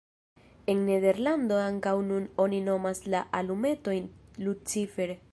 En Nederlando ankaŭ nun oni nomas la alumetojn lucifer.